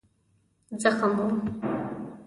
زخم و.